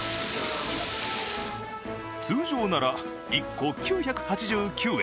通常なら１個９８９円。